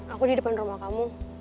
aku di depan rumah kamu